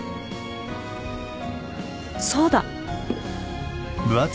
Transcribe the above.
そうだ。